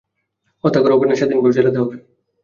হত্যা করা হবে, না স্বাধীনভাবে ছেড়ে দেয়া হবে?